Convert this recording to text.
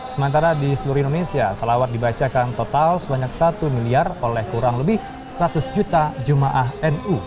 sementara di seluruh indonesia salawat dibacakan total sebanyak satu miliar oleh kurang lebih seratus juta jemaah nu